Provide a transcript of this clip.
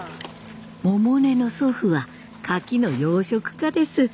百音の祖父はカキの養殖家です。